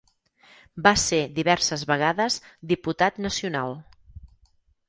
Va ser diverses vegades diputat nacional.